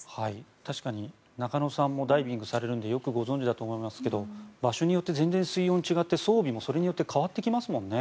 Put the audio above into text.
確かに中野さんもダイビングをされるのでよくご存じだと思いますけど場所によって全然水温が違って装備もそれによって変わってきますもんね。